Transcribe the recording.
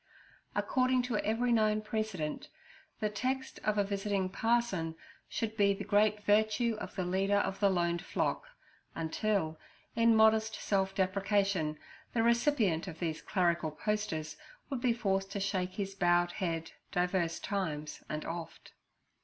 According to every known precedent, the text of a visiting parson should be the great virtue of the leader of the loaned flock, until, in modest self deprecation, the recipient of these clerical posters would be forced to shake his bowed head divers times and oft.